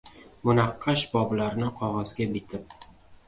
Munaqqash boblarni qog’ozga bitib